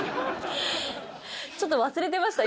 ちょっと忘れてました、